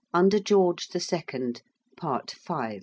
UNDER GEORGE THE SECOND. PART V.